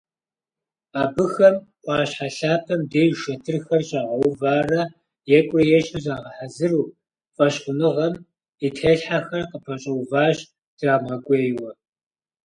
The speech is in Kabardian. Абыхэм Ӏуащхьэ лъапэм деж шэтырхэр щагъэуварэ екӀурэ-ещхьу загъэхьэзыру, фӀэщхъуныгъэм и телъхьэхэр къапэщӀэуващ, драмыгъэкӀуейуэ.